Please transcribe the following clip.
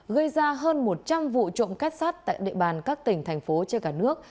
gây ra hơn một trăm linh vụ trộm kết sát tại địa bàn các tỉnh thành phố trên cả nước